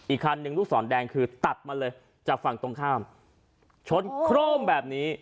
คันหนึ่งลูกศรแดงคือตัดมาเลยจากฝั่งตรงข้ามชนโครมแบบนี้